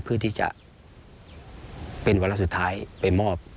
เพื่อที่จะเป็นวาระสุดท้ายไปมอบ